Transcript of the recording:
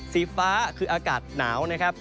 สีฟ้าคืออากาศหนาวนะครับ